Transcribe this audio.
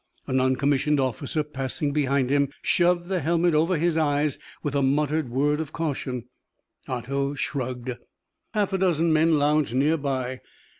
A non commissioned officer passing behind him shoved the helmet over his eyes with a muttered word of caution. Otto shrugged. Half a dozen men lounged near by.